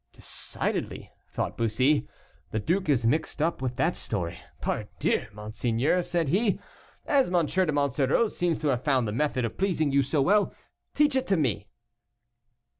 "Decidedly," thought Bussy, "the duke is mixed up with that story. Pardieu! monseigneur," said he, "as M. de Monsoreau seems to have found the method of pleasing you so well, teach it to me."